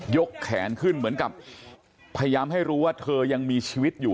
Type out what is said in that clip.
กแขนขึ้นเหมือนกับพยายามให้รู้ว่าเธอยังมีชีวิตอยู่